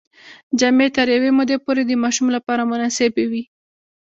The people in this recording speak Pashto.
جامې تر یوې مودې پورې د ماشوم لپاره مناسبې وي.